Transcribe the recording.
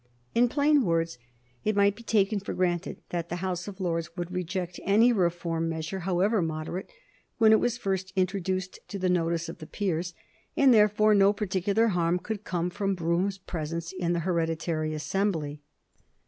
In plain words, it might be taken for granted that the House of Lords would reject any reform measure, however moderate, when it was first introduced to the notice of the peers, and therefore no particular harm could come from Brougham's presence in the hereditary assembly.